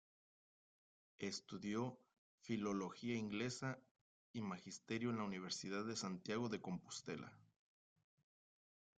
Estudió Filología Inglesa y Magisterio en la Universidad de Santiago de Compostela.